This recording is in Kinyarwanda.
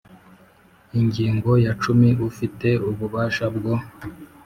Ingingo ya cumi Ufite ububasha bwo